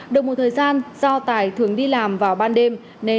được một thời gian do tài thường đi làm vào ban đêm